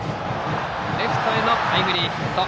レフトへのタイムリーヒット。